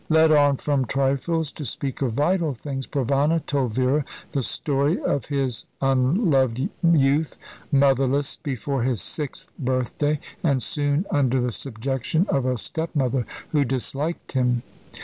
Led on from trifles to speak of vital things, Provana told Vera the story of his unloved youth, motherless before his sixth birthday, and soon under the subjection of a stepmother who disliked him.